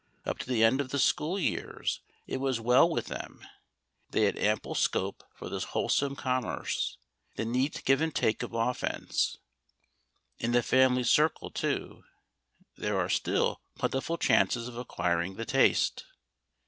Up to the end of the school years it was well with them; they had ample scope for this wholesome commerce, the neat give and take of offence. In the family circle, too, there are still plentiful chances of acquiring the taste.